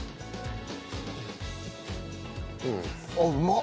あっうまっ！